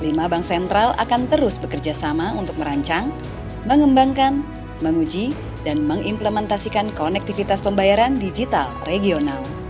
lima bank sentral akan terus bekerja sama untuk merancang mengembangkan menguji dan mengimplementasikan konektivitas pembayaran digital regional